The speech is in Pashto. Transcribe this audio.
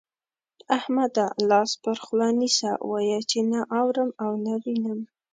احمده! لاس پر خوله نيسه، وايه چې نه اورم او نه وينم.